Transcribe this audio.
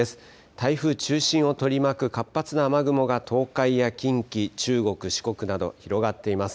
台風中心を取り巻く活発な雨雲が東海や近畿、中国、四国など広がっています。